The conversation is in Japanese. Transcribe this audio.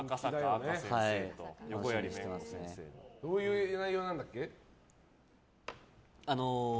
どういう内容なんだっけ？